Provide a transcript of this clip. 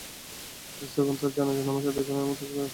ফেরেশতাগণ তাঁর জানাযার নামায আদায় করেন এবং তাঁকে দাফন করেন।